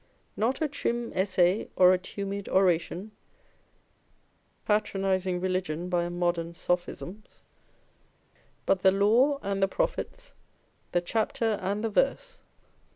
Not a trim essay or a tumid oration, patron ising religion by modern sophisms, but the Law and the Prophets, the chapter and the verse.